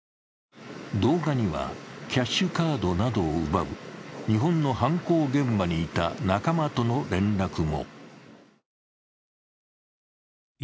動画にはキャッシュカードなどを奪う日本の犯行現場にいた仲間との連絡も。